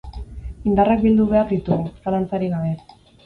Indarrak bildu behar ditugu, zalantzarik gabe.